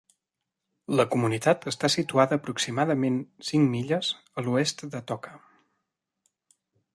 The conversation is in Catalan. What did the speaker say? La comunitat està situada aproximadament cinc milles a l'oest d'Atoka.